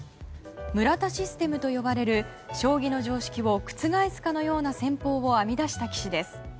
村田システムと呼ばれる将棋の常識を覆すかのような戦法を編み出した棋士です。